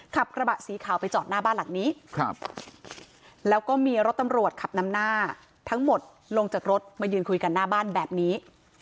ขับกระบะสีขาวไปจอดหน้าบ้านหลังนี้แล้วก็มีรถตำรวจขับนำหน้าทั้งหมดลงจากรถมายืนคุยกันหน้าบ้านแบบนี้